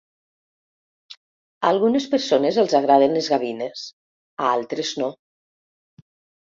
A algunes persones els agraden les gavines; a altres, no.